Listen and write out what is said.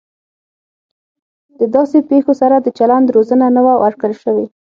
د داسې پیښو سره د چلند روزنه نه وه ورکړل شوې